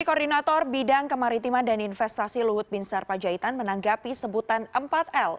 koordinator bidang kemaritiman dan investasi luhut bin sarpajaitan menanggapi sebutan empat l